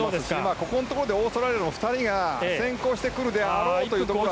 ここにきてオーストラリアの２人が先行してくるであろうというところがね。